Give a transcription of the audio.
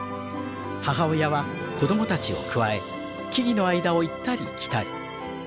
母親は子供たちをくわえ木々の間を行ったり来たり。